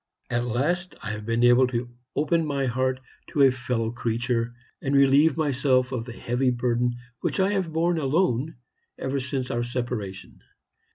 At last I have been able to open my heart to a fellow creature, and relieve myself of the heavy burden which I have borne alone ever since our separation.